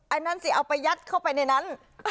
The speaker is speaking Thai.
อันนั้นสิเอาไปยัดเข้าไปในนั้น